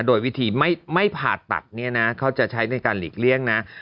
โดยวิธีไม่ผ่าตัดเนี่ยนะเขาจะใช้ในการหลีกเลี่ยงนะ